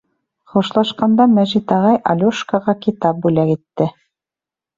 Хушлашҡанда Мәжит ағай Алёшкаға китап бүләк итте.